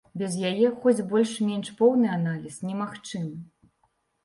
Без яе хоць больш-менш поўны аналіз немагчымы.